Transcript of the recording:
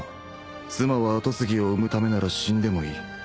妻は跡継ぎを産むためなら死んでもいい